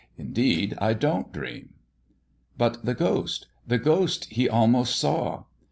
Indeed, I don't dream." "But the ghost the ghost he almost saw."